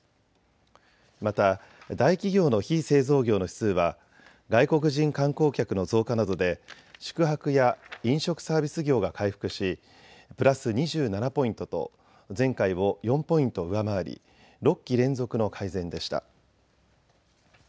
また大企業の非製造業の指数は外国人観光客の増加などで宿泊や飲食サービス業が回復しプラス２７ポイントと前回を４ポイント上回り６期連続の改善でした。